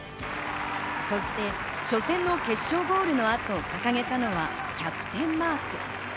そして初戦の決勝ゴールの後、掲げたのがキャプテンマーク。